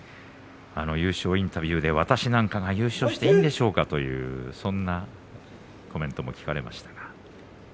優勝のインタビューで私なんかが優勝していいんでしょうかというコメントも聞かれました。